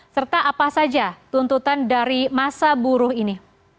serta apa saja tuntutan dari masa buruh ini